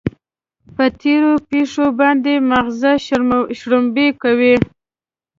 پر تېرو پېښو باندې ماغزه شړومبې کوو.